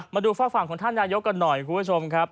มาดูฝากฝั่งของท่านนายกกันหน่อยคุณผู้ชมครับ